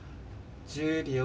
１０秒。